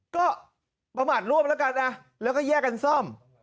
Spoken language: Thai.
ก็ประมาทร่วมแล้วกันนะแล้วก็แยกกันซ่อม